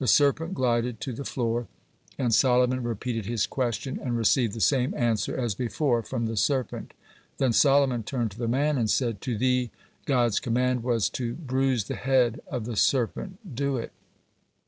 The serpent glided to the floor, and Solomon repeated his question, and received the same answer as before from the serpent. Then Solomon turned to the man and said: "To thee God's command was to bruise the head of the serpent do it!"